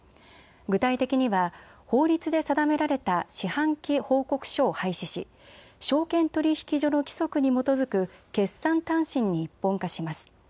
具体的には法律で定められた四半期報告書を廃止し証券取引所の規則に基づく決算短信に一本化します。